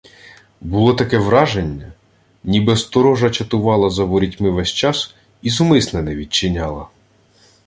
Було таке враження, ніби сторожа чатувала за ворітьми ввесь час і зумисне не відчиняла.